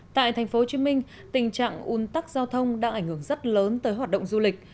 tại tp hcm tình trạng un tắc giao thông đã ảnh hưởng rất lớn tới hoạt động du lịch